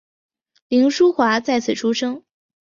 凌叔华在此出生。